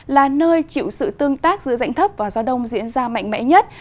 là nơi chịu sự tương tác giữa dãnh thấp và gió đông diễn ra mạnh mẽ nhất